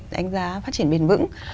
đánh giá phát triển bền vững